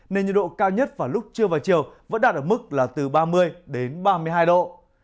nên nhiệt độ cao nhất vào lúc trưa và chiều vẫn đạt ở mức là từ ba mươi đến ba mươi hai độ